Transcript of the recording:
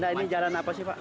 nah ini jalan apa sih pak